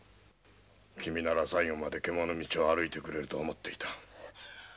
君なら最後までけものみちを歩いてくれると思っていた。